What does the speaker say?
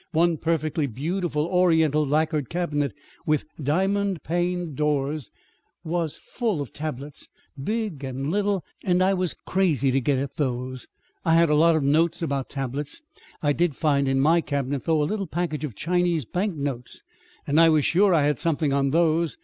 One perfectly beautiful Oriental lacquered cabinet with diamond paned doors was full of tablets, big and little, and I was crazy to get at those I had a lot of notes about tablets. I did find in my cabinet, though, a little package of Chinese bank notes, and I was sure I had something on those.